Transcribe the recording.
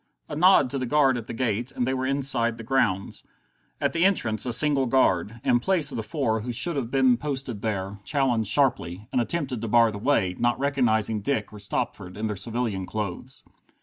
A nod to the guard at the gate, and they were inside the grounds. At the entrance a single guard, in place of the four who should have been posted there, challenged sharply, and attempted to bar the way, not recognizing Dick or Stopford in their civilian clothes.